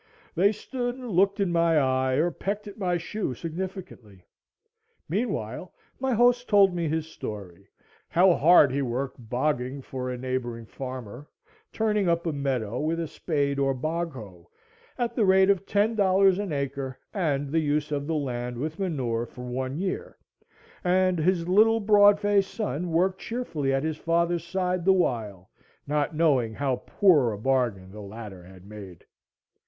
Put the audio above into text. They stood and looked in my eye or pecked at my shoe significantly. Meanwhile my host told me his story, how hard he worked "bogging" for a neighboring farmer, turning up a meadow with a spade or bog hoe at the rate of ten dollars an acre and the use of the land with manure for one year, and his little broad faced son worked cheerfully at his father's side the while, not knowing how poor a bargain the latter had made.